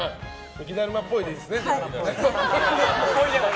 雪だるまっぽいでいいですねじゃあ。